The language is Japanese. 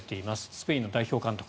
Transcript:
スペインの代表監督